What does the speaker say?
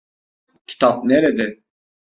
Kitap nerede?